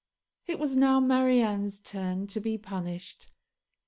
It was now Marianne's turn to be punished.